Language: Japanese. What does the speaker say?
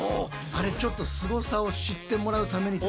あれちょっとすごさを知ってもらうためにですね